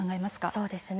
そうですね